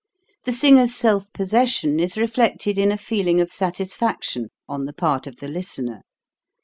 The singer's self possession is reflected in a feel ing of satisfaction on the part of the listener.